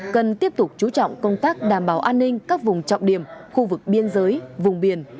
cần tiếp tục chú trọng công tác đảm bảo an ninh các vùng trọng điểm khu vực biên giới vùng biển